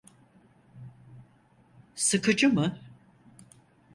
Sıkıcı mı?